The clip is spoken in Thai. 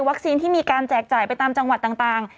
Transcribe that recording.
ที่มีการแจกจ่ายไปตามจังหวัดต่าง